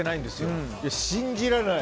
信じられない。